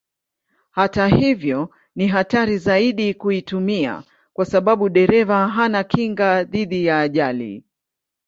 Hata hivyo ni hatari zaidi kuitumia kwa sababu dereva hana kinga dhidi ya ajali.